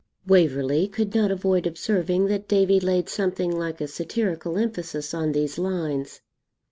Waverley could not avoid observing that Davie laid something like a satirical emphasis on these lines.